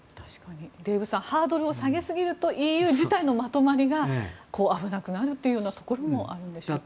デーブさんハードルを下げすぎるとＥＵ自体のまとまりが危なくなるというところもあるんですか？